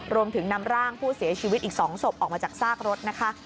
รวมถึงนำร่างผู้เสียชีวิตอีก๒ศพออกมาจากซากรถนะคะ